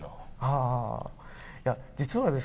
ああ実はですね